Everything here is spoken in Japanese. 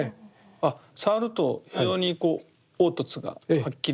あっ触ると非常にこう凹凸がはっきり。